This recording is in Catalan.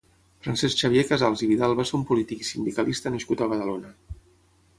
Francesc Xavier Casals i Vidal va ser un polític i sindicalista nascut a Badalona.